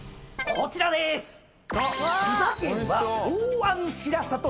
こちらでーす。